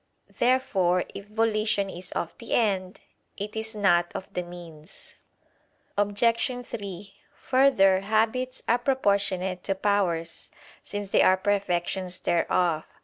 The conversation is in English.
Therefore, if volition is of the end, it is not of the means. Obj. 3: Further, habits are proportionate to powers, since they are perfections thereof.